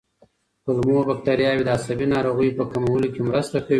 کولمو بکتریاوې د عصبي ناروغیو په کمولو کې مرسته کوي.